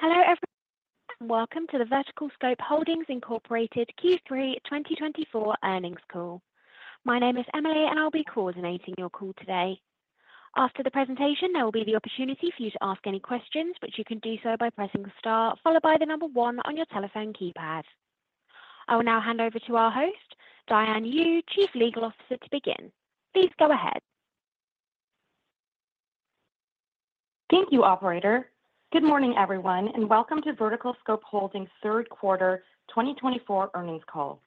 Hello, everyone, and welcome to the VerticalScope Holdings, Incorporated Q3 2024 earnings call. My name is Emily, and I'll be coordinating your call today. After the presentation, there will be the opportunity for you to ask any questions, but you can do so by pressing the star followed by the number one on your telephone keypad. I will now hand over to our host, Diane Yu, Chief Legal Officer, to begin. Please go ahead. Thank you, operator. Good morning, everyone, and welcome to VerticalScope Holdings' 3rd quarter 2024 earnings call.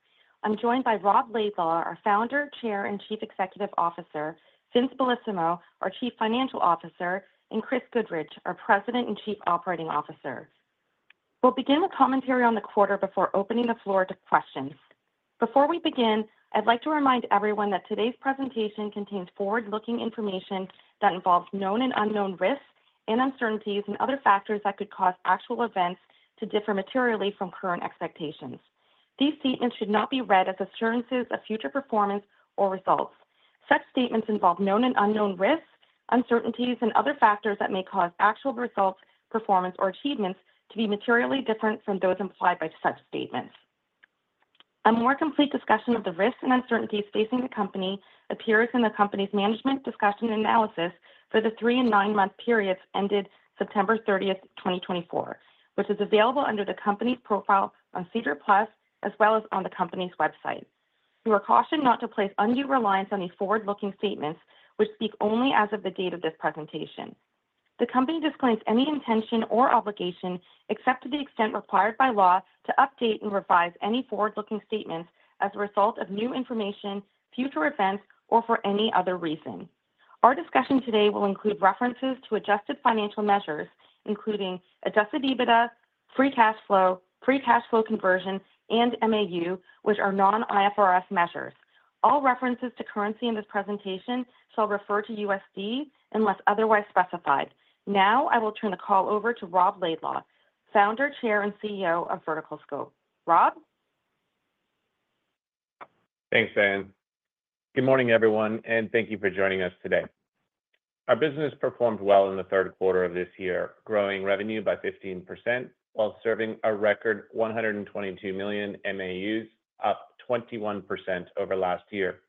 I'm joined by Rob Laidlaw, our Founder, Chair, and Chief Executive Officer, Vincenzo Bellissimo, our Chief Financial Officer, and Chris Goodridge, our President and Chief Operating Officer. We'll begin with commentary on the quarter before opening the floor to questions. Before we begin, I'd like to remind everyone that today's presentation contains forward-looking information that involves known and unknown risks and uncertainties and other factors that could cause actual events to differ materially from current expectations. These statements should not be read as assurances of future performance or results. Such statements involve known and unknown risks, uncertainties, and other factors that may cause actual results, performance, or achievements to be materially different from those implied by such statements. A more complete discussion of the risks and uncertainties facing the company appears in the company's Management's Discussion and Analysis for the three and nine-month periods ended September 30, 2024, which is available under the company's profile on SEDAR+ as well as on the company's website. We were cautioned not to place undue reliance on these forward-looking statements, which speak only as of the date of this presentation. The company disclaims any intention or obligation except to the extent required by law to update and revise any forward-looking statements as a result of new information, future events, or for any other reason. Our discussion today will include references to adjusted financial measures, including adjusted EBITDA, free cash flow, free cash flow conversion, and MAU, which are non-IFRS measures. All references to currency in this presentation shall refer to USD unless otherwise specified. Now, I will turn the call over to Rob Laidlaw, Founder, Chair, and CEO of VerticalScope. Rob? Thanks, Diane. Good morning, everyone, and thank you for joining us today. Our business performed well in the 3rd quarter of this year, growing revenue by 15% while serving a record 122 million MAUs, up 21% over last year.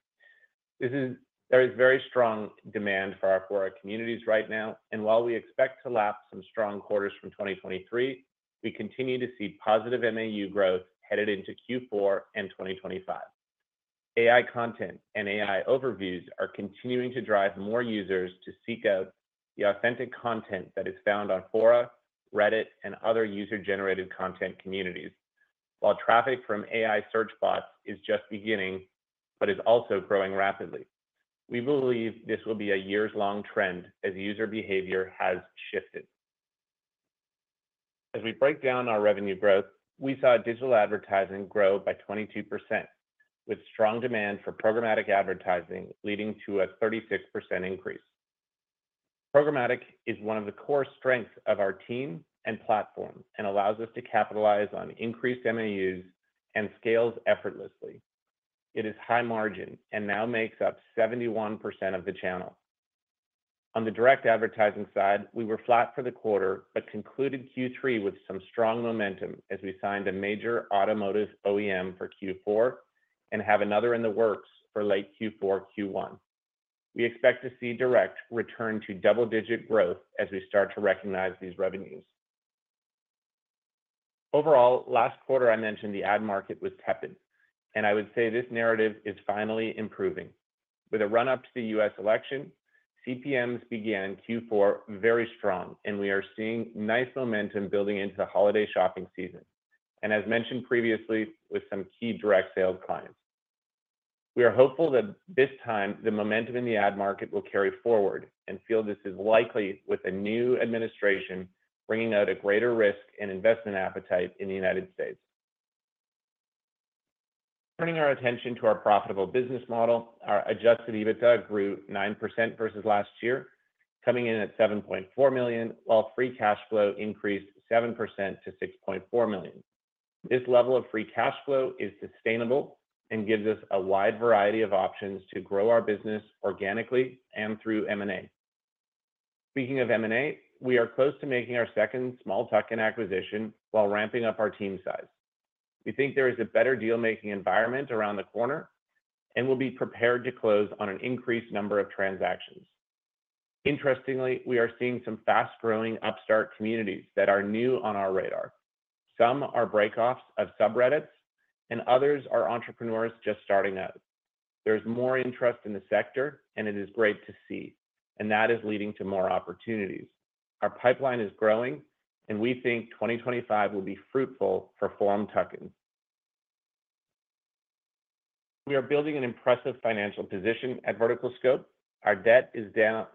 There is very strong demand for our communities right now, and while we expect to lapse some strong quarters from 2023, we continue to see positive MAU growth headed into Q4 and 2025. AI content and AI overviews are continuing to drive more users to seek out the authentic content that is found on Fora, Reddit, and other user-generated content communities, while traffic from AI search bots is just beginning but is also growing rapidly. We believe this will be a years-long trend as user behavior has shifted. As we break down our revenue growth, we saw digital advertising grow by 22%, with strong demand for programmatic advertising leading to a 36% increase. Programmatic is one of the core strengths of our team and platform and allows us to capitalize on increased MAUs and scales effortlessly. It is high margin and now makes up 71% of the channel. On the direct advertising side, we were flat for the quarter but concluded Q3 with some strong momentum as we signed a major automotive OEM for Q4 and have another in the works for late Q4/Q1. We expect to see direct return to double-digit growth as we start to recognize these revenues. Overall, last quarter I mentioned the ad market was tepid, and I would say this narrative is finally improving. With a run-up to the U.S. election, CPMs began Q4 very strong, and we are seeing nice momentum building into the holiday shopping season, and as mentioned previously, with some key direct sales clients. We are hopeful that this time the momentum in the ad market will carry forward and feel this is likely with a new administration bringing out a greater risk and investment appetite in the United States. Turning our attention to our profitable business model, our Adjusted EBITDA grew 9% versus last year, coming in at $7.4 million, while free cash flow increased 7% to $6.4 million. This level of free cash flow is sustainable and gives us a wide variety of options to grow our business organically and through M&A. Speaking of M&A, we are close to making our 2nd small tuck-in acquisition while ramping up our team size. We think there is a better deal-making environment around the corner and will be prepared to close on an increased number of transactions. Interestingly, we are seeing some fast-growing upstart communities that are new on our radar. Some are break-offs of subreddits, and others are entrepreneurs just starting out. There is more interest in the sector, and it is great to see, and that is leading to more opportunities. Our pipeline is growing, and we think 2025 will be fruitful for forum tuck-ins. We are building an impressive financial position at VerticalScope. Our debt is down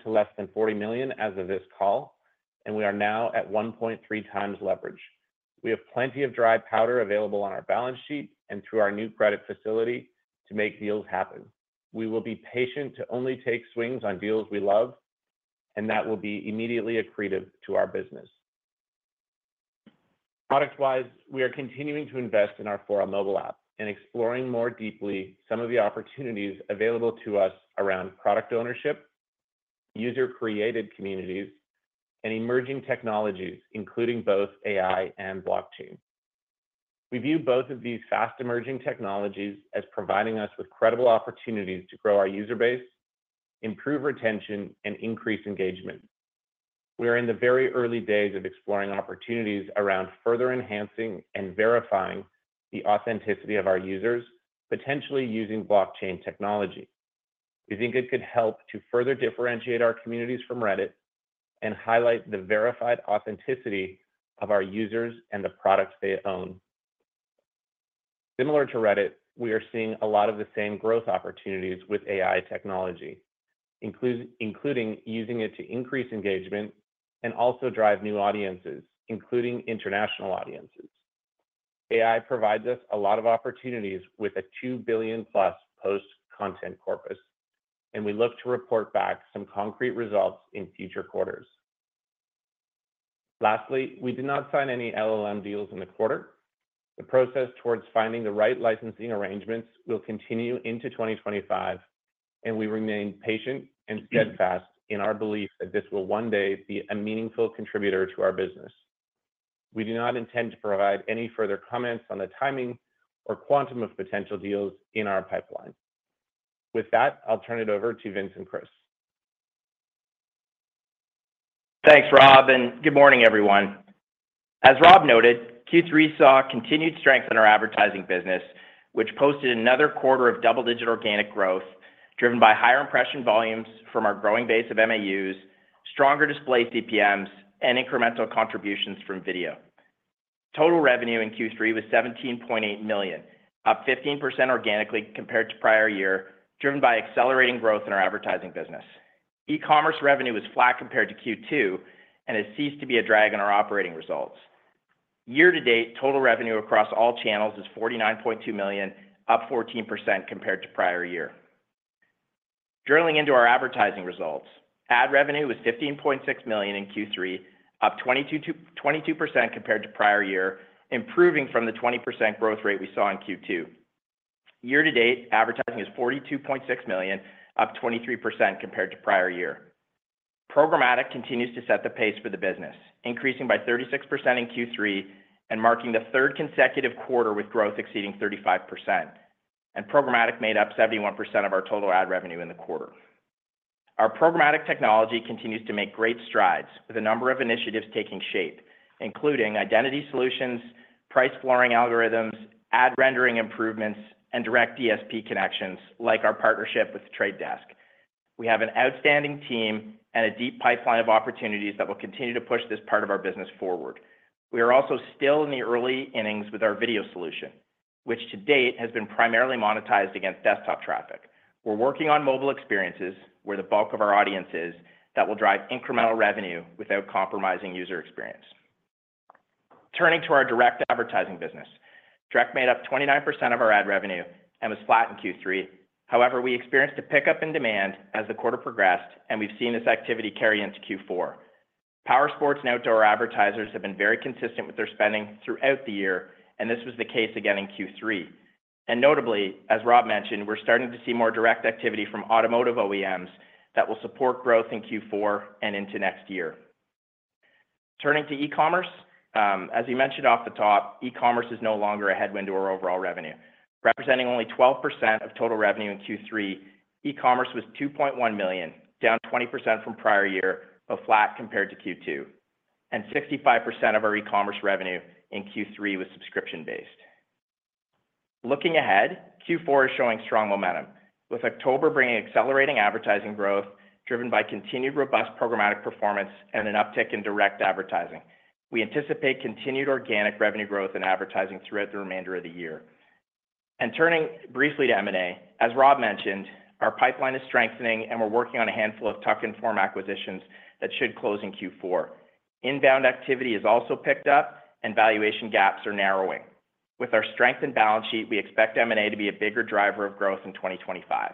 to less than 40 million as of this call, and we are now at 1.3 times leverage. We have plenty of dry powder available on our balance sheet and through our new credit facility to make deals happen. We will be patient to only take swings on deals we love, and that will be immediately accretive to our business. Product-wise, we are continuing to invest in our Fora mobile app and exploring more deeply some of the opportunities available to us around product ownership, user-created communities, and emerging technologies, including both AI and blockchain. We view both of these fast-emerging technologies as providing us with credible opportunities to grow our user base, improve retention, and increase engagement. We are in the very early days of exploring opportunities around further enhancing and verifying the authenticity of our users, potentially using blockchain technology. We think it could help to further differentiate our communities from Reddit and highlight the verified authenticity of our users and the products they own. Similar to Reddit, we are seeing a lot of the same growth opportunities with AI technology, including using it to increase engagement and also drive new audiences, including international audiences. AI provides us a lot of opportunities with a 2 billion-plus post-content corpus, and we look to report back some concrete results in future quarters. Lastly, we did not sign any LLM deals in the quarter. The process towards finding the right licensing arrangements will continue into 2025, and we remain patient and steadfast in our belief that this will one day be a meaningful contributor to our business. We do not intend to provide any further comments on the timing or quantum of potential deals in our pipeline. With that, I'll turn it over to Vincenzo and Chris. Thanks, Rob, and good morning, everyone. As Rob noted, Q3 saw continued strength in our advertising business, which posted another quarter of double-digit organic growth driven by higher impression volumes from our growing base of MAUs, stronger display CPMs, and incremental contributions from video. Total revenue in Q3 was $17.8 million, up 15% organically compared to prior year, driven by accelerating growth in our advertising business. E-commerce revenue was flat compared to Q2 and has ceased to be a drag on our operating results. Year-to-date, total revenue across all channels is $49.2 million, up 14% compared to prior year. Drilling into our advertising results, ad revenue was $15.6 million in Q3, up 22% compared to prior year, improving from the 20% growth rate we saw in Q2. Year-to-date, advertising is $42.6 million, up 23% compared to prior year. Programmatic continues to set the pace for the business, increasing by 36% in Q3 and marking the 3rd consecutive quarter with growth exceeding 35%, and programmatic made up 71% of our total ad revenue in the quarter. Our programmatic technology continues to make great strides with a number of initiatives taking shape, including identity solutions, price-flooring algorithms, ad rendering improvements, and direct DSP connections like our partnership with The Trade Desk. We have an outstanding team and a deep pipeline of opportunities that will continue to push this part of our business forward. We are also still in the early innings with our video solution, which to date has been primarily monetized against desktop traffic. We're working on mobile experiences where the bulk of our audience is that will drive incremental revenue without compromising user experience. Turning to our direct advertising business, direct made up 29% of our ad revenue and was flat in Q3. However, we experienced a pickup in demand as the quarter progressed, and we've seen this activity carry into Q4. Powersports and outdoor advertisers have been very consistent with their spending throughout the year, and this was the case again in Q3. And notably, as Rob mentioned, we're starting to see more direct activity from automotive OEMs that will support growth in Q4 and into next year. Turning to e-commerce, as you mentioned off the top, e-commerce is no longer a headwind to our overall revenue. Representing only 12% of total revenue in Q3, e-commerce was $2.1 million, down 20% from prior year, but flat compared to Q2. And 65% of our e-commerce revenue in Q3 was subscription-based. Looking ahead, Q4 is showing strong momentum, with October bringing accelerating advertising growth driven by continued robust programmatic performance and an uptick in direct advertising. We anticipate continued organic revenue growth in advertising throughout the remainder of the year. And turning briefly to M&A, as Rob mentioned, our pipeline is strengthening, and we're working on a handful of tuck-in acquisitions that should close in Q4. Inbound activity has also picked up, and valuation gaps are narrowing. With our strengthened balance sheet, we expect M&A to be a bigger driver of growth in 2025.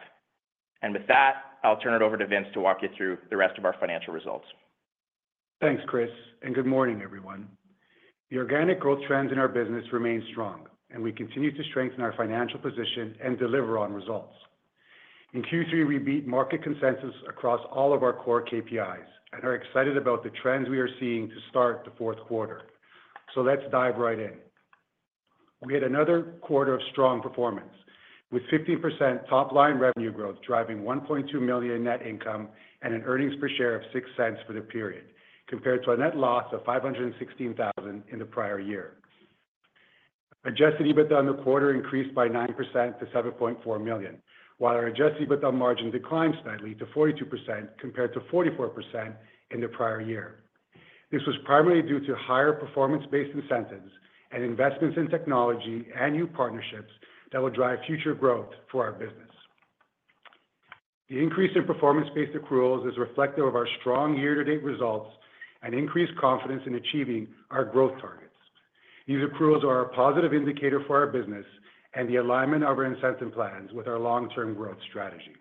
And with that, I'll turn it over to Vincenzo to walk you through the rest of our financial results. Thanks, Chris, and good morning, everyone. The organic growth trends in our business remain strong, and we continue to strengthen our financial position and deliver on results. In Q3, we beat market consensus across all of our core KPIs and are excited about the trends we are seeing to start the 4th quarter. So let's dive right in. We had another quarter of strong performance, with 15% top-line revenue growth driving $1.2 million in net income and an earnings per share of $0.06 for the period, compared to a net loss of $516,000 in the prior year. Adjusted EBITDA on the quarter increased by 9% to $7.4 million, while our adjusted EBITDA margin declined slightly to 42% compared to 44% in the prior year. This was primarily due to higher performance-based incentives and investments in technology and new partnerships that will drive future growth for our business. The increase in performance-based accruals is reflective of our strong year-to-date results and increased confidence in achieving our growth targets. These accruals are a positive indicator for our business and the alignment of our incentive plans with our long-term growth strategy.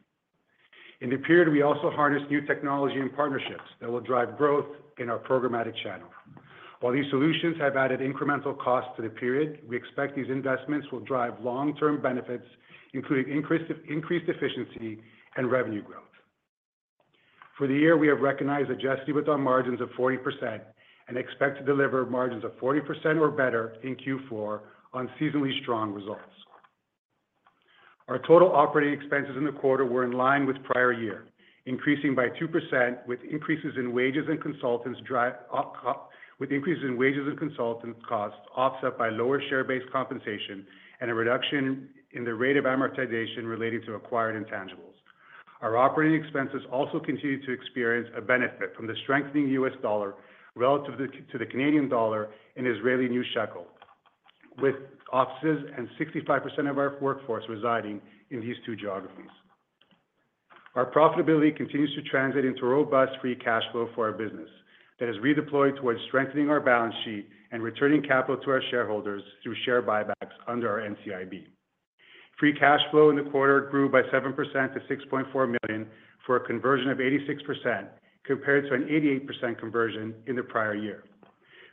In the period, we also harnessed new technology and partnerships that will drive growth in our programmatic channel. While these solutions have added incremental costs to the period, we expect these investments will drive long-term benefits, including increased efficiency and revenue growth. For the year, we have recognized Adjusted EBITDA margins of 40% and expect to deliver margins of 40% or better in Q4 on seasonally strong results. Our total operating expenses in the quarter were in line with prior year, increasing by 2%, with increases in wages and consultants costs offset by lower share-based compensation and a reduction in the rate of amortization relating to acquired intangibles. Our operating expenses also continue to experience a benefit from the strengthening U.S. dollar relative to the Canadian dollar and Israeli new shekel, with offices and 65% of our workforce residing in these two geographies. Our profitability continues to transit into robust free cash flow for our business that is redeployed towards strengthening our balance sheet and returning capital to our shareholders through share buybacks under our NCIB. Free cash flow in the quarter grew by 7% to $6.4 million for a conversion of 86% compared to an 88% conversion in the prior year.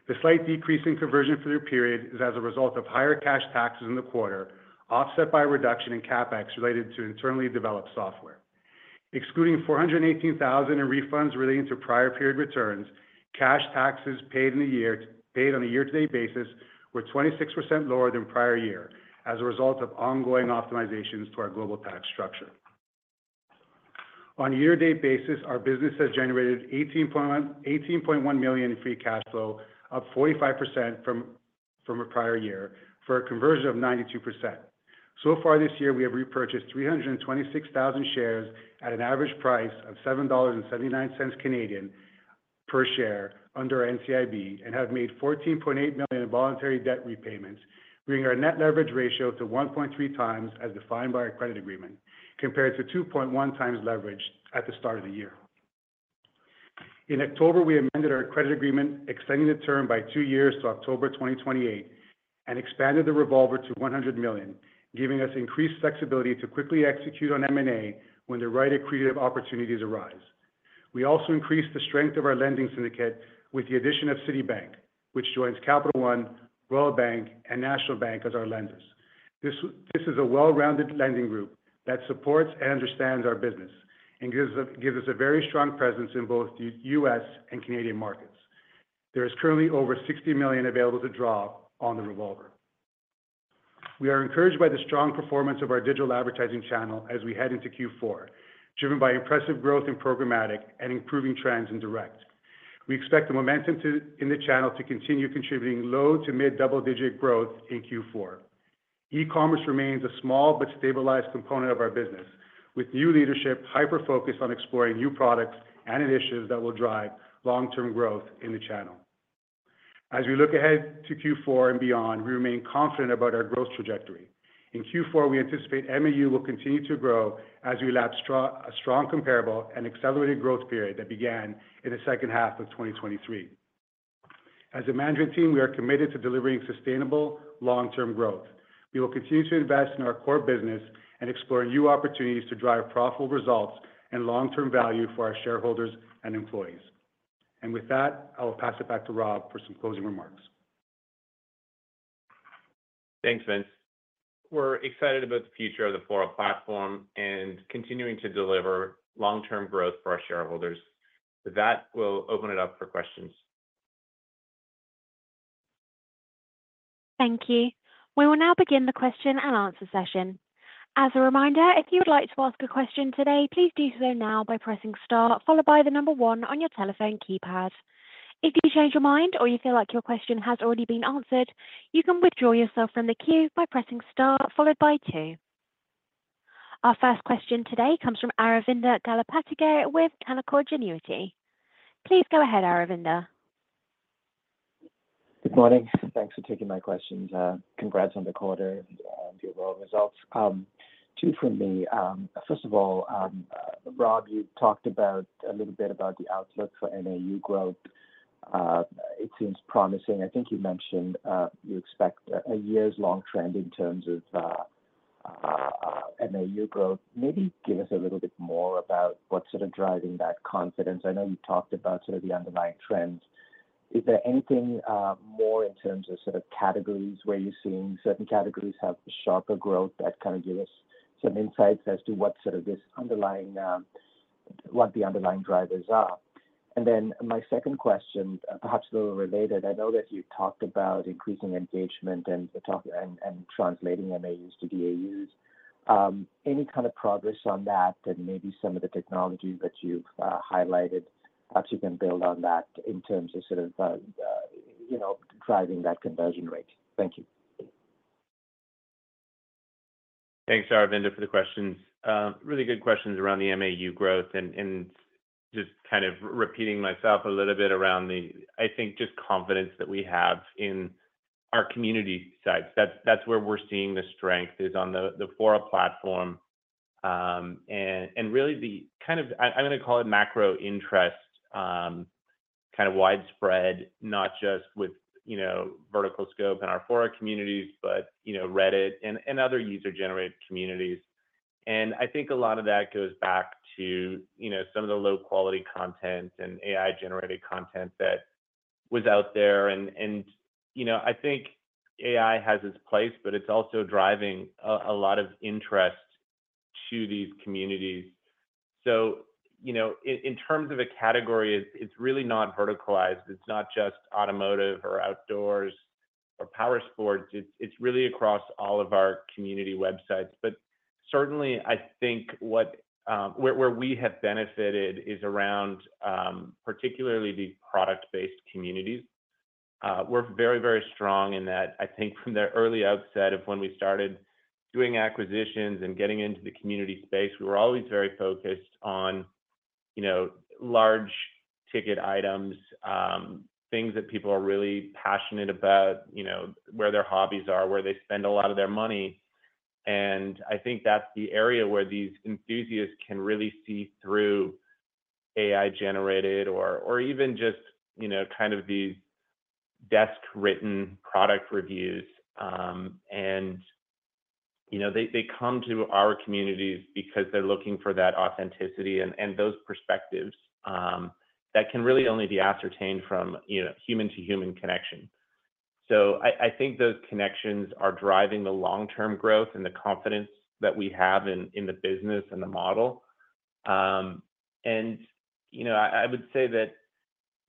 The slight decrease in conversion for the period is as a result of higher cash taxes in the quarter, offset by a reduction in CapEx related to internally developed software. Excluding 418,000 in refunds relating to prior period returns, cash taxes paid on a year-to-date basis were 26% lower than prior year as a result of ongoing optimizations to our global tax structure. On a year-to-date basis, our business has generated $18.1 million in free cash flow, up 45% from a prior year for a conversion of 92%. So far this year, we have repurchased 326,000 shares at an average price of 7.79 Canadian dollars per share under our NCIB and have made $14.8 million in voluntary debt repayments, bringing our net leverage ratio to 1.3 times as defined by our credit agreement, compared to 2.1 times leverage at the start of the year. In October, we amended our credit agreement, extending the term by two years to October 2028, and expanded the revolver to $100 million, giving us increased flexibility to quickly execute on M&A when the right accretive opportunities arise. We also increased the strength of our lending syndicate with the addition of Citibank, which joins Capital One, Royal Bank, and National Bank as our lenders. This is a well-rounded lending group that supports and understands our business and gives us a very strong presence in both the U.S. and Canadian markets. There is currently over $60 million available to draw on the revolver. We are encouraged by the strong performance of our digital advertising channel as we head into Q4, driven by impressive growth in programmatic and improving trends in direct. We expect the momentum in the channel to continue contributing low to mid-double-digit growth in Q4. E-commerce remains a small but stabilized component of our business, with new leadership hyper-focused on exploring new products and initiatives that will drive long-term growth in the channel. As we look ahead to Q4 and beyond, we remain confident about our growth trajectory. In Q4, we anticipate MAU will continue to grow as we lap a strong comparable and accelerated growth period that began in the 2nd half of 2023. As a management team, we are committed to delivering sustainable long-term growth. We will continue to invest in our core business and explore new opportunities to drive profitable results and long-term value for our shareholders and employees, and with that, I will pass it back to Rob for some closing remarks. Thanks, Vincenzo. We're excited about the future of the Fora platform and continuing to deliver long-term growth for our shareholders. That will open it up for questions. Thank you. We will now begin the question and answer session. As a reminder, if you would like to ask a question today, please do so now by pressing star, followed by the number one on your telephone keypad. If you change your mind or you feel like your question has already been answered, you can withdraw yourself from the queue by pressing star, followed by two. Our 1st question today comes from Aravinda Galappatthige with Canaccord Genuity. Please go ahead, Aravinda. Good morning. Thanks for taking my questions. Congrats on the quarter and your results. Two for me. 1st of all, Rob, you talked a little bit about the outlook for MAU growth. It seems promising. I think you mentioned you expect a year's long trend in terms of MAU growth. Maybe give us a little bit more about what's sort of driving that confidence. I know you talked about sort of the underlying trends. Is there anything more in terms of sort of categories where you're seeing certain categories have sharper growth that kind of give us some insights as to what sort of this underlying what the underlying drivers are? And then my 2nd question, perhaps a little related, I know that you talked about increasing engagement and translating MAUs to DAUs. Any kind of progress on that and maybe some of the technology that you've highlighted that you can build on that in terms of sort of driving that conversion rate? Thank you. Thanks, Aravinda, for the questions. Really good questions around the MAU growth and just kind of repeating myself a little bit around the, I think, just confidence that we have in our community side. That's where we're seeing the strength is on the Fora platform, and really the kind of I'm going to call it macro interest, kind of widespread, not just with VerticalScope in our Fora communities, but Reddit and other user-generated communities, and I think a lot of that goes back to some of the low-quality content and AI-generated content that was out there. And I think AI has its place, but it's also driving a lot of interest to these communities, so in terms of a category, it's really not verticalized. It's not just automotive or outdoors or power sports. It's really across all of our community websites. Certainly, I think where we have benefited is around particularly the product-based communities. We're very, very strong in that, I think, from the early outset of when we started doing acquisitions and getting into the community space, we were always very focused on large-ticket items, things that people are really passionate about, where their hobbies are, where they spend a lot of their money. And I think that's the area where these enthusiasts can really see through AI-generated or even just kind of these desk-written product reviews. And they come to our communities because they're looking for that authenticity and those perspectives that can really only be ascertained from human-to-human connection. So I think those connections are driving the long-term growth and the confidence that we have in the business and the model. And I would say that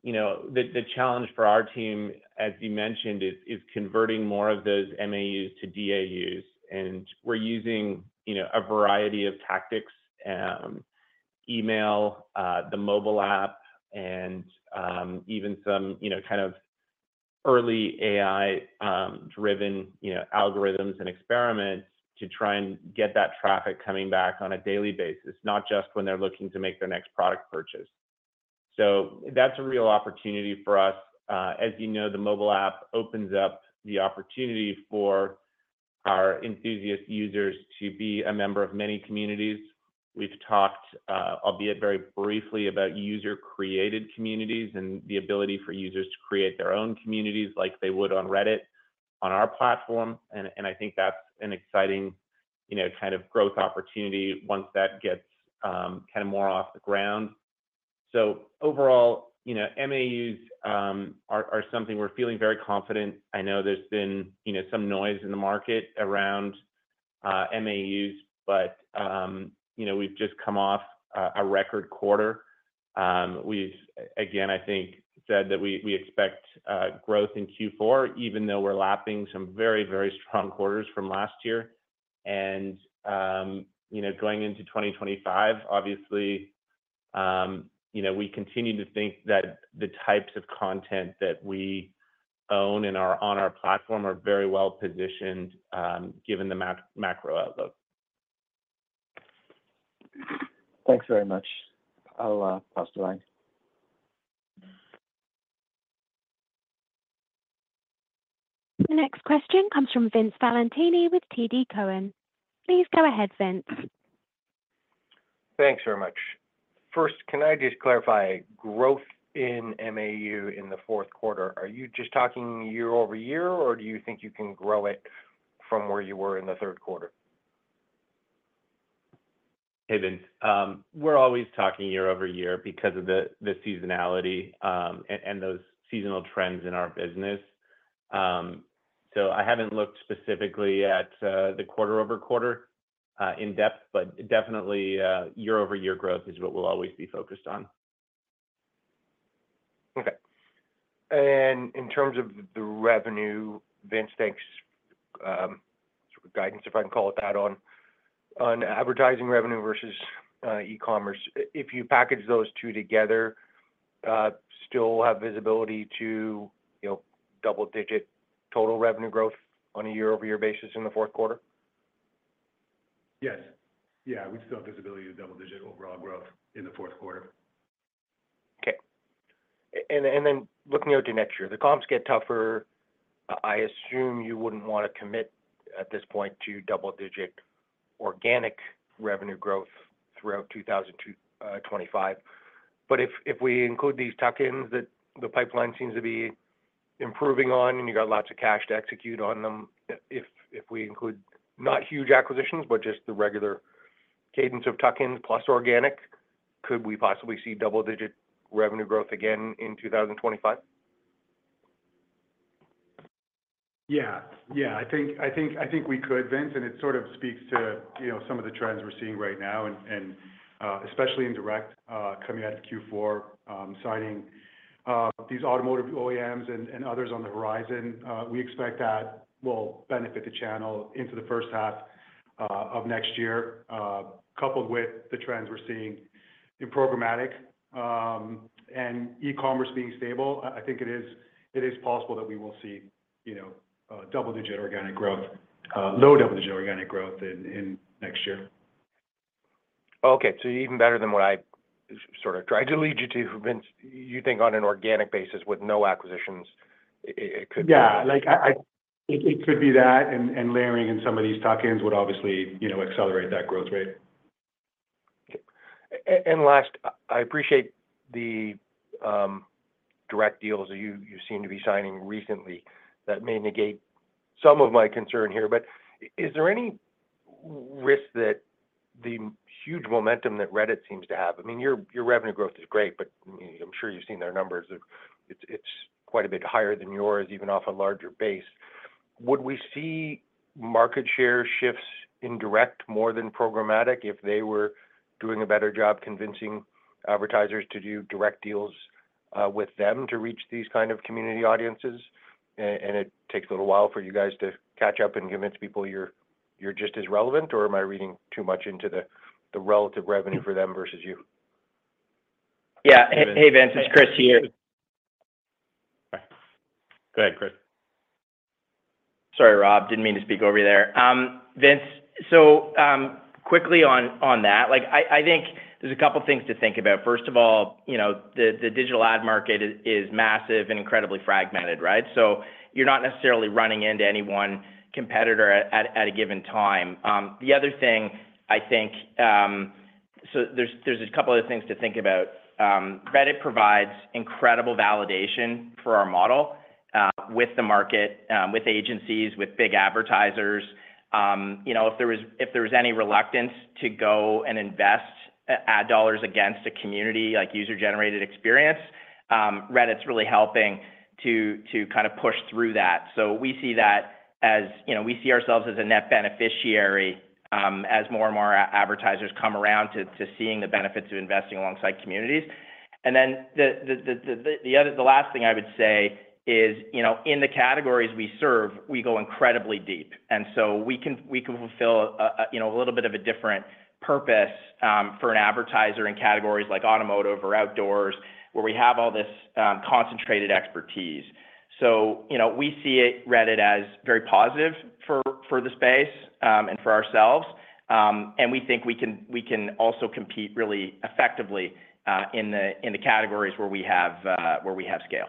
the challenge for our team, as you mentioned, is converting more of those MAUs to DAUs. And we're using a variety of tactics: email, the mobile app, and even some kind of early AI-driven algorithms and experiments to try and get that traffic coming back on a daily basis, not just when they're looking to make their next product purchase. So that's a real opportunity for us. As you know, the mobile app opens up the opportunity for our enthusiast users to be a member of many communities. We've talked, albeit very briefly, about user-created communities and the ability for users to create their own communities like they would on Reddit on our platform. And I think that's an exciting kind of growth opportunity once that gets kind of more off the ground. So overall, MAUs are something we're feeling very confident. I know there's been some noise in the market around MAUs, but we've just come off a record quarter. We've, again, I think, said that we expect growth in Q4, even though we're lapping some very, very strong quarters from last year, and going into 2025, obviously, we continue to think that the types of content that we own and are on our platform are very well positioned given the macro outlook. Thanks very much. I'll pass the line. The next question comes from Vince Valentini with TD Cowen. Please go ahead, Vince. Thanks very much. 1st, can I just clarify growth in MAU in the 4th quarter? Are you just talking year-over-year, or do you think you can grow it from where you were in the 3rd quarter? Hey, Vince. We're always talking year-over-year because of the seasonality and those seasonal trends in our business. So I haven't looked specifically at the quarter-over-quarter in depth, but definitely year-over-year growth is what we'll always be focused on. Okay. And in terms of the revenue, Vince, thanks. Sort of guidance, if I can call it that, on advertising revenue versus e-commerce. If you package those two together, still have visibility to double-digit total revenue growth on a year-over-year basis in the 4th quarter? Yes. Yeah. We still have visibility to double-digit overall growth in the 4th quarter. Okay, and then looking out to next year, the comps get tougher. I assume you wouldn't want to commit at this point to double-digit organic revenue growth throughout 2025, but if we include these tuck-ins that the pipeline seems to be improving on and you got lots of cash to execute on them, if we include not huge acquisitions, but just the regular cadence of tuck-ins plus organic, could we possibly see double-digit revenue growth again in 2025? Yeah. Yeah. I think we could, Vince. And it sort of speaks to some of the trends we're seeing right now, and especially in direct coming out of Q4, signing these automotive OEMs and others on the horizon. We expect that will benefit the channel into the 1st half of next year, coupled with the trends we're seeing in programmatic and e-commerce being stable. I think it is possible that we will see double-digit organic growth, low double-digit organic growth in next year. Okay, so even better than what I sort of tried to lead you to, Vince, you think on an organic basis with no acquisitions, it could be? Yeah. It could be that, and layering in some of these tuck-ins would obviously accelerate that growth rate. Okay. And last, I appreciate the direct deals that you seem to be signing recently that may negate some of my concern here. But is there any risk that the huge momentum that Reddit seems to have? I mean, your revenue growth is great, but I'm sure you've seen their numbers. It's quite a bit higher than yours, even off a larger base. Would we see market share shifts in direct more than programmatic if they were doing a better job convincing advertisers to do direct deals with them to reach these kind of community audiences? And it takes a little while for you guys to catch up and convince people you're just as relevant, or am I reading too much into the relative revenue for them versus you? Yeah. Hey, Vince. It's Chris here. Sorry. Go ahead, Chris. Sorry, Rob. Didn't mean to speak over there. Vince, so quickly on that, I think there's a couple of things to think about. 1st of all, the digital ad market is massive and incredibly fragmented, right? So you're not necessarily running into any one competitor at a given time. The other thing, I think, so there's a couple of things to think about. Reddit provides incredible validation for our model with the market, with agencies, with big advertisers. If there was any reluctance to go and invest ad dollars against a community like user-generated experience, Reddit's really helping to kind of push through that. So we see that as we see ourselves as a net beneficiary as more and more advertisers come around to seeing the benefits of investing alongside communities. And then the last thing I would say is in the categories we serve, we go incredibly deep. And so we can fulfill a little bit of a different purpose for an advertiser in categories like automotive or outdoors where we have all this concentrated expertise. So we see Reddit as very positive for the space and for ourselves. And we think we can also compete really effectively in the categories where we have scale.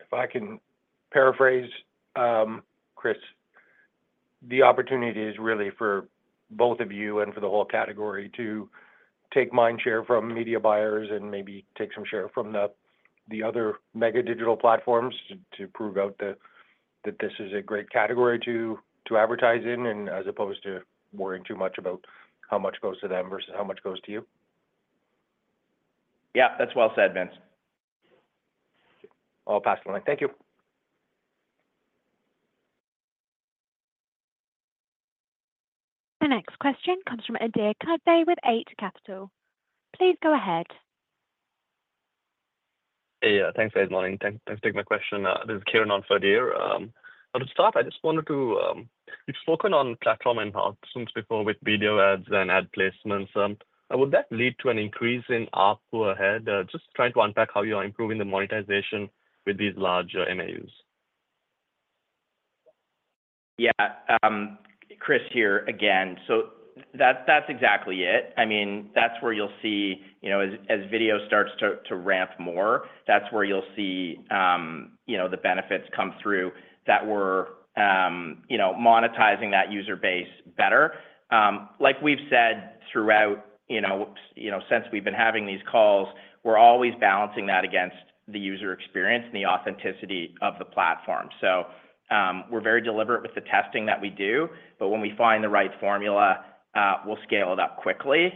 If I can paraphrase, Chris, the opportunity is really for both of you and for the whole category to take mind share from media buyers and maybe take some share from the other mega digital platforms to prove out that this is a great category to advertise in and as opposed to worrying too much about how much goes to them versus how much goes to you. Yeah. That's well said, Vince. I'll pass the line. Thank you. The next question comes from Adhir Kadve with Eight Capital. Please go ahead. Hey, yeah. Thanks. Thanks for taking my question. This is Kiran, on for Adhir. I'll just start. I just wanted to. You've spoken on platform enhancements before with video ads and ad placements. Would that lead to an increase in ARPU ahead? Just trying to unpack how you are improving the monetization with these large MAUs. Yeah. Chris here again. So that's exactly it. I mean, that's where you'll see as video starts to ramp more, that's where you'll see the benefits come through that we're monetizing that user base better. Like we've said throughout since we've been having these calls, we're always balancing that against the user experience and the authenticity of the platform. So we're very deliberate with the testing that we do, but when we find the right formula, we'll scale it up quickly.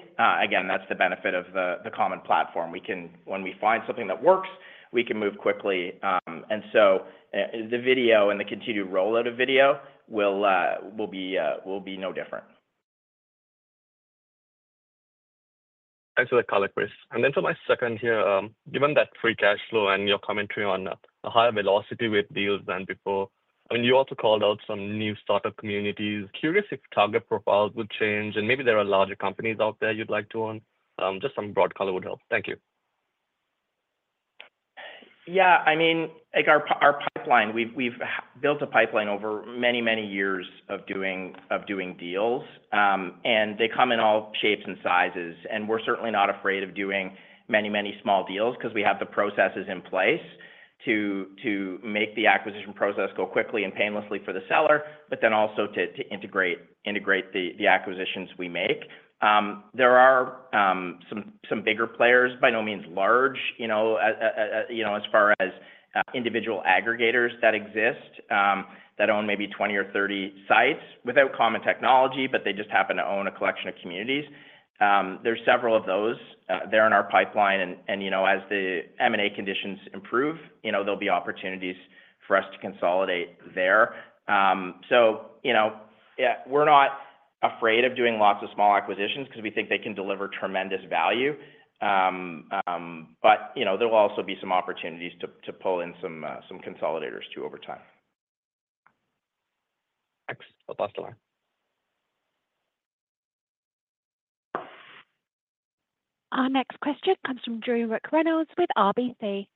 Again, that's the benefit of the common platform. When we find something that works, we can move quickly. And so the video and the continued rollout of video will be no different. Thanks for the call, Chris. And then for my 2nd here, given that free cash flow and your commentary on a higher velocity with deals than before, I mean, you also called out some new startup communities. Curious if target profiles would change, and maybe there are larger companies out there you'd like to own. Just some broad color would help. Thank you. Yeah. I mean, our pipeline. We've built a pipeline over many, many years of doing deals. They come in all shapes and sizes. We're certainly not afraid of doing many, many small deals because we have the processes in place to make the acquisition process go quickly and painlessly for the seller, but then also to integrate the acquisitions we make. There are some bigger players, by no means large, as far as individual aggregators that exist that own maybe 20 or 30 sites without common technology, but they just happen to own a collection of communities. There's several of those. They're in our pipeline. As the M&A conditions improve, there'll be opportunities for us to consolidate there. We're not afraid of doing lots of small acquisitions because we think they can deliver tremendous value. But there will also be some opportunities to pull in some consolidators too over time. Thanks. I'll pass the line. Our next question comes from Drew McReynolds with RBC.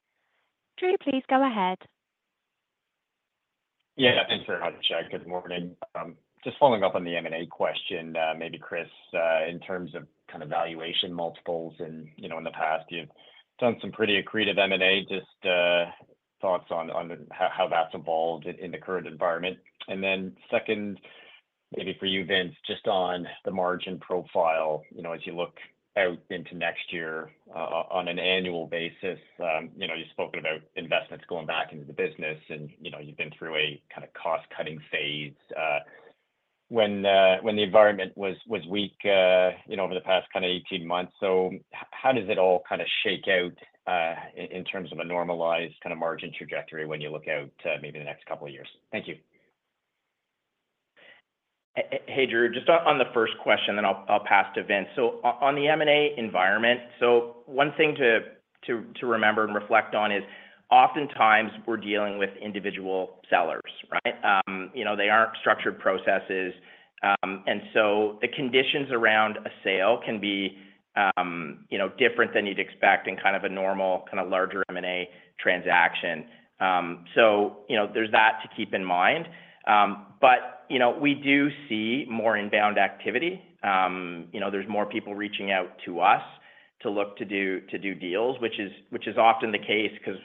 Drew, please go ahead. Yeah. Thanks very much, Jack. Good morning. Just following up on the M&A question, maybe, Chris, in terms of kind of valuation multiples in the past, you've done some pretty accretive M&A. Just thoughts on how that's evolved in the current environment. And then 2nd, maybe for you, Vince, just on the margin profile as you look out into next year on an annual basis. You've spoken about investments going back into the business, and you've been through a kind of cost-cutting phase when the environment was weak over the past kind of 18 months. So how does it all kind of shake out in terms of a normalized kind of margin trajectory when you look out maybe the next couple of years? Thank you. Hey, Drew. Just on the 1st question, then I'll pass to Vince. So on the M&A environment, so one thing to remember and reflect on is oftentimes we're dealing with individual sellers, right? They aren't structured processes. And so the conditions around a sale can be different than you'd expect in kind of a normal kind of larger M&A transaction. So there's that to keep in mind. But we do see more inbound activity. There's more people reaching out to us to look to do deals, which is often the case because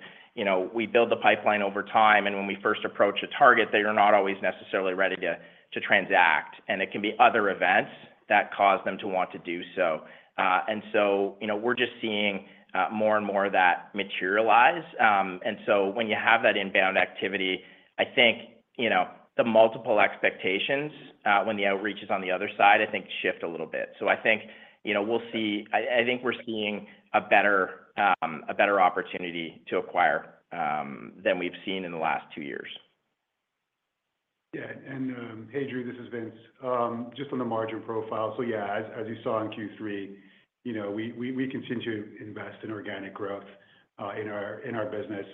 we build the pipeline over time. And when we 1st approach a target, they are not always necessarily ready to transact. And it can be other events that cause them to want to do so. And so we're just seeing more and more of that materialize. And so when you have that inbound activity, I think the multiple expectations, when the outreach is on the other side, I think shift a little bit. So I think we'll see. I think we're seeing a better opportunity to acquire than we've seen in the last two years. Yeah. And hey, Drew, this is Vince. Just on the margin profile. So yeah, as you saw in Q3, we continue to invest in organic growth in our business.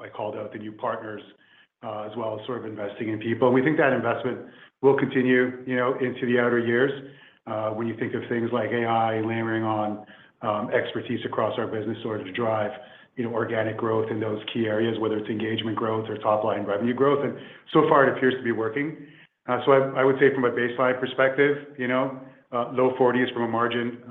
I called out the new partners as well as sort of investing in people. And we think that investment will continue into the outer years when you think of things like AI layering on expertise across our business in order to drive organic growth in those key areas, whether it's engagement growth or top-line revenue growth. And so far, it appears to be working. So I would say from a baseline perspective, low 40s from a margin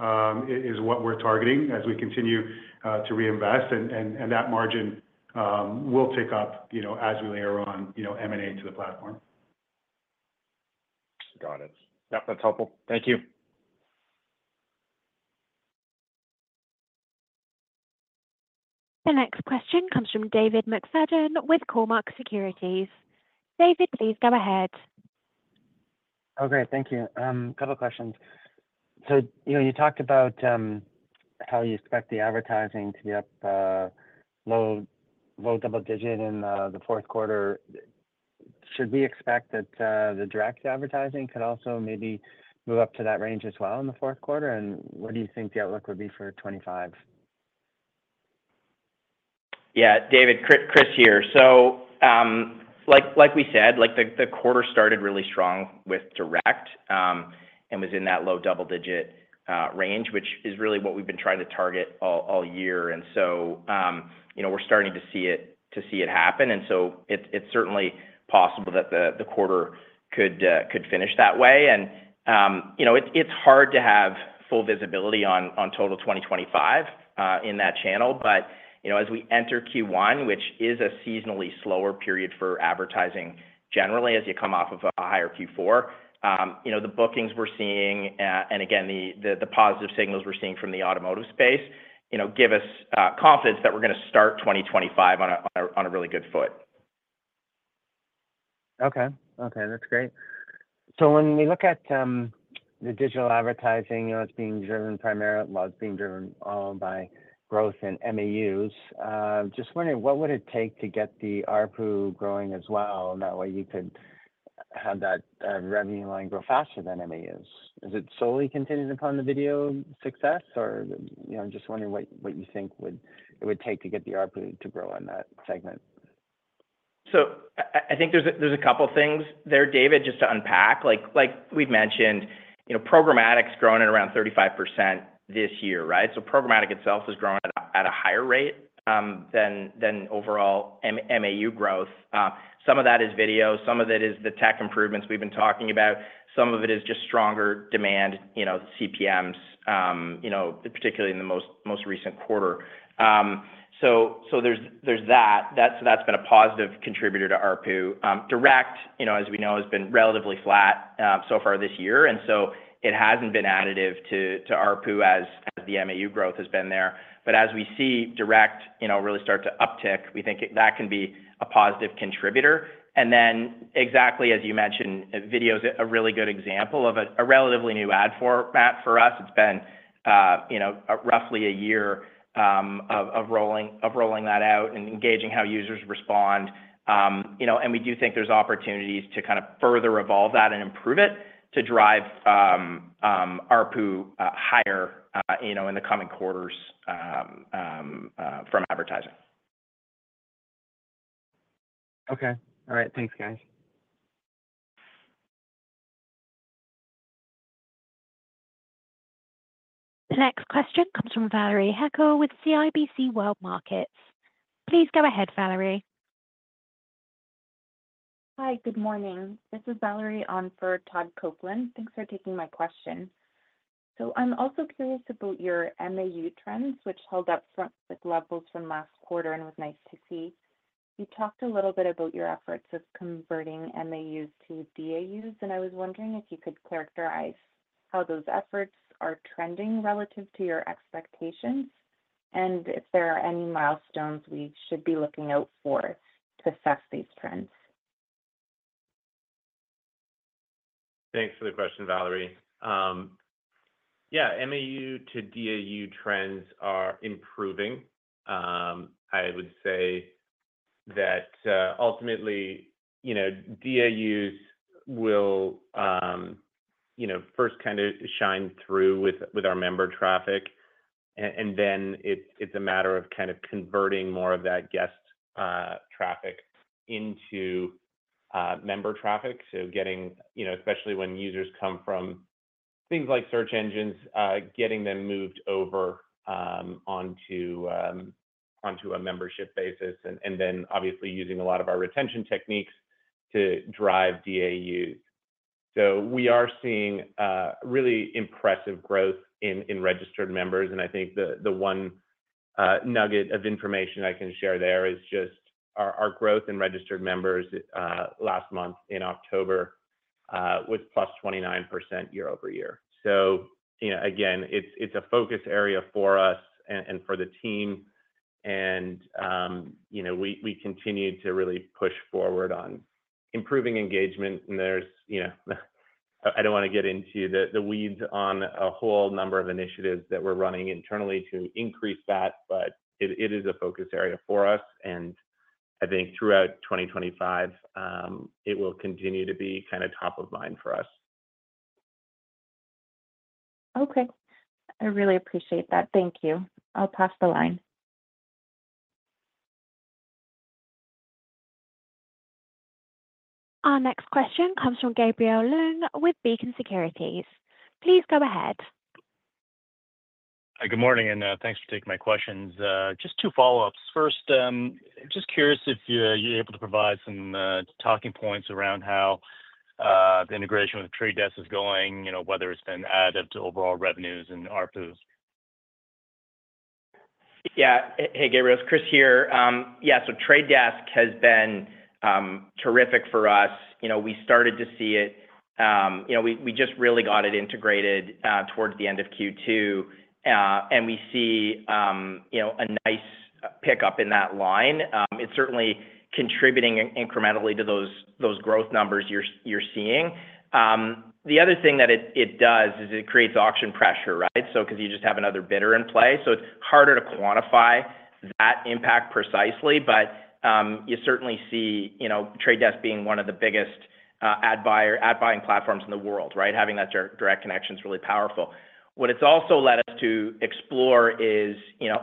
is what we're targeting as we continue to reinvest. And that margin will tick up as we layer on M&A to the platform. Got it. Yep. That's helpful. Thank you. The next question comes from David McFadden with Cormark Securities. David, please go ahead. Okay. Thank you. A couple of questions. So you talked about how you expect the advertising to be up low double-digit in the 4th quarter. Should we expect that the direct advertising could also maybe move up to that range as well in the 4th quarter? And what do you think the outlook would be for 2025? Yeah. David, Chris here. So like we said, the quarter started really strong with direct and was in that low double-digit range, which is really what we've been trying to target all year. And so we're starting to see it happen. And it's certainly possible that the quarter could finish that way. And it's hard to have full visibility on total 2025 in that channel. But as we enter Q1, which is a seasonally slower period for advertising generally as you come off of a higher Q4, the bookings we're seeing and again, the positive signals we're seeing from the automotive space give us confidence that we're going to start 2025 on a really good foot. Okay. Okay. That's great. So when we look at the digital advertising, it's being driven primarily, well, all by growth and MAUs. Just wondering, what would it take to get the ARPU growing as well? That way, you could have that revenue line grow faster than MAUs. Is it solely contingent upon the video success? Or I'm just wondering what you think it would take to get the ARPU to grow on that segment. I think there's a couple of things there, David, just to unpack. Like we've mentioned, programmatic's grown at around 35% this year, right? So programmatic itself is growing at a higher rate than overall MAU growth. Some of that is video. Some of it is the tech improvements we've been talking about. Some of it is just stronger demand, CPMs, particularly in the most recent quarter. So there's that. So that's been a positive contributor to ARPU direct. As we know, it's been relatively flat so far this year. And so it hasn't been additive to ARPU as the MAU growth has been there. But as we see direct really start to uptick, we think that can be a positive contributor. And then exactly as you mentioned, video is a really good example of a relatively new ad format for us. It's been roughly a year of rolling that out and engaging how users respond, and we do think there's opportunities to kind of further evolve that and improve it to drive ARPU higher in the coming quarters from advertising. Okay. All right. Thanks, guys. The next question comes from Valery Heckel with CIBC World Markets. Please go ahead, Valery. Hi. Good morning. This is Valery on for Todd Coupland. Thanks for taking my question. So I'm also curious about your MAU trends, which held up in line with levels from last quarter and was nice to see. You talked a little bit about your efforts of converting MAUs to DAUs. And I was wondering if you could characterize how those efforts are trending relative to your expectations and if there are any milestones we should be looking out for to assess these trends. Thanks for the question, Valery. Yeah. MAU to DAU trends are improving. I would say that ultimately, DAUs will 1st kind of shine through with our member traffic. And then it's a matter of kind of converting more of that guest traffic into member traffic. So getting, especially when users come from things like search engines, getting them moved over onto a membership basis and then obviously using a lot of our retention techniques to drive DAUs. So we are seeing really impressive growth in registered members. And I think the one nugget of information I can share there is just our growth in registered members last month in October was plus 29% year over year. So again, it's a focus area for us and for the team. And we continue to really push forward on improving engagement. I don't want to get into the weeds on a whole number of initiatives that we're running internally to increase that, but it is a focus area for us. I think throughout 2025, it will continue to be kind of top of mind for us. Okay. I really appreciate that. Thank you. I'll pass the line. Our next question comes from Gabriel Leung with Beacon Securities. Please go ahead. Hi. Good morning, and thanks for taking my questions. Just two follow-ups. 1st, just curious if you're able to provide some talking points around how the integration with The Trade Desk is going, whether it's been added to overall revenues and ARPU? Yeah. Hey, Gabriel. It's Chris here. Yeah. So Trade Desk has been terrific for us. We started to see it. We just really got it integrated towards the end of Q2. And we see a nice pickup in that line. It's certainly contributing incrementally to those growth numbers you're seeing. The other thing that it does is it creates auction pressure, right? So because you just have another bidder in play. So it's harder to quantify that impact precisely. But you certainly see Trade Desk being one of the biggest ad-buying platforms in the world, right? Having that direct connection is really powerful. What it's also led us to explore is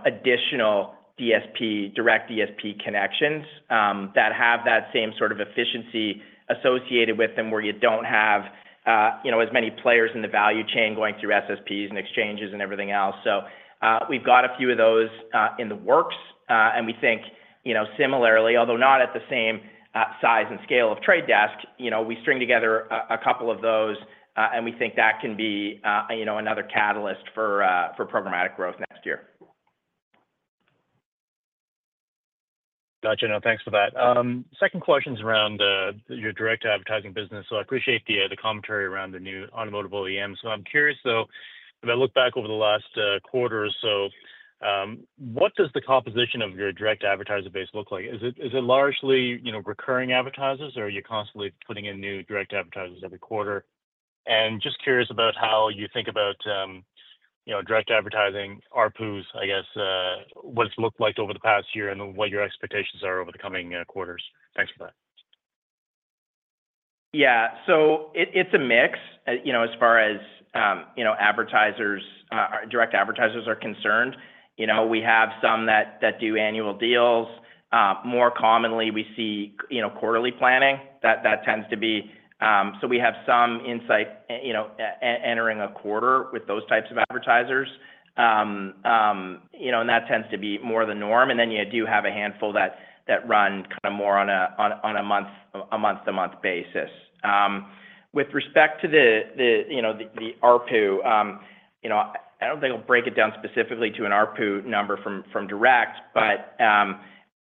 additional direct DSP connections that have that same sort of efficiency associated with them where you don't have as many players in the value chain going through SSPs and exchanges and everything else. So we've got a few of those in the works. And we think similarly, although not at the same size and scale of the Trade Desk, we string together a couple of those. And we think that can be another catalyst for programmatic growth next year. Gotcha. Thanks for that. 2nd question is around your direct advertising business. So I appreciate the commentary around the new automotive OEM. So I'm curious, though, if I look back over the last quarter or so, what does the composition of your direct advertiser base look like? Is it largely recurring advertisers, or are you constantly putting in new direct advertisers every quarter? And just curious about how you think about direct advertising ARPU's, I guess, what it's looked like over the past year and what your expectations are over the coming quarters. Thanks for that. Yeah. So it's a mix as far as direct advertisers are concerned. We have some that do annual deals. More commonly, we see quarterly planning. That tends to be so we have some insight entering a quarter with those types of advertisers. And that tends to be more the norm. And then you do have a handful that run kind of more on a month-to-month basis. With respect to the ARPU, I don't think I'll break it down specifically to an ARPU number from direct, but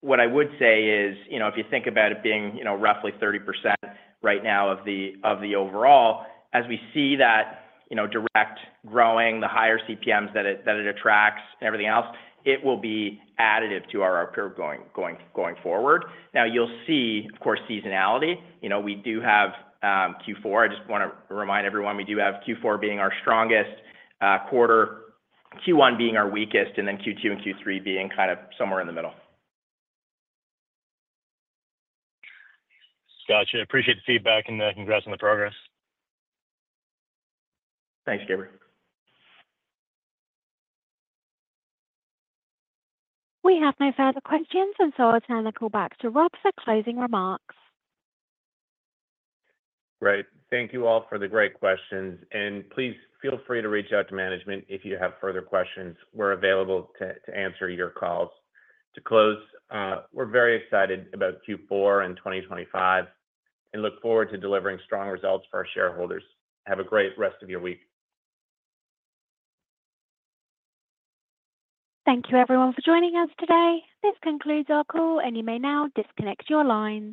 what I would say is if you think about it being roughly 30% right now of the overall, as we see that direct growing, the higher CPMs that it attracts and everything else, it will be additive to our ARPU going forward. Now, you'll see, of course, seasonality. We do have Q4. I just want to remind everyone, we do have Q4 being our strongest quarter, Q1 being our weakest, and then Q2 and Q3 being kind of somewhere in the middle. Gotcha. Appreciate the feedback and congrats on the progress. Thanks, Gabriel. We have no further questions, and so it's now called back to Rob for closing remarks. Great. Thank you all for the great questions. And please feel free to reach out to management if you have further questions. We're available to answer your calls. To close, we're very excited about Q4 and 2025 and look forward to delivering strong results for our shareholders. Have a great rest of your week. Thank you, everyone, for joining us today. This concludes our call, and you may now disconnect your lines.